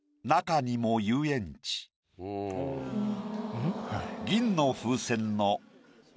うん。